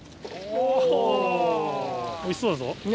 おいしそうだぞ。